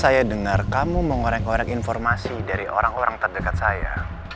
saya dengar kamu mengorek ngoreng informasi dari orang orang terdekat saya